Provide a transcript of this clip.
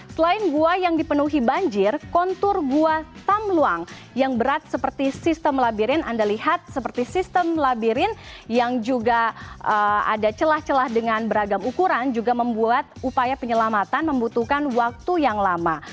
selain gua yang dipenuhi banjir kontur gua tamluang yang berat seperti sistem labirin anda lihat seperti sistem labirin yang juga ada celah celah dengan beragam ukuran juga membuat upaya penyelamatan membutuhkan waktu yang lama